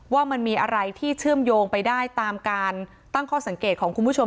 ว่ามันมีอะไรที่เชื่อมโยงไปได้ตามการตั้งข้อสังเกตของคุณผู้ชม